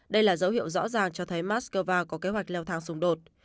đây là dấu hiệu rõ ràng cho thấy moscow có kế hoạch leo thang xung đột